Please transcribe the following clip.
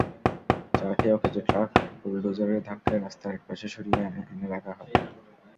চারটি অকেজো ট্রাক বুলডোজারের ধাক্কায় রাস্তার একপাশে সরিয়ে এনে রাখা হয়।